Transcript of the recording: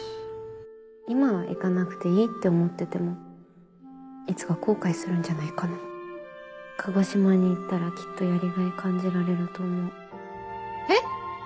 今は行かなくていいって思っててもいつか後悔するんじゃないかな鹿児島に行ったらきっとやりがい感じえっ？